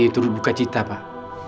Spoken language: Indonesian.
turut buka cita pak